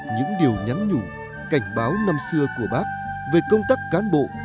những điều nhắn nhủ cảnh báo năm xưa của bác về công tác cán bộ